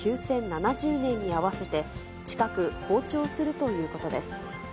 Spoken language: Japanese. ７０年に合わせて、近く、訪朝するということです。